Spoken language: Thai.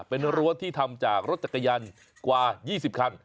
เป็นรั้วที่ทำจากรถจักรยานกว่า๒๐คัน